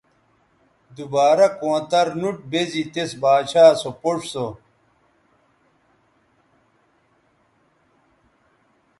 دوبارہ کونتر نوٹ بیزی تس باچھا سو پوڇ سو